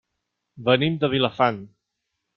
Venim de Vilafant.